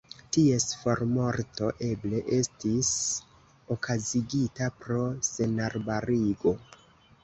Ties formorto eble estis okazigita pro senarbarigo.